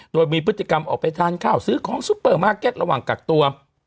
โดยมีพฤติกรรมออกไปทานข้าวซื้อของซุปเปอร์มาร์เก็ตระหว่างกักตัว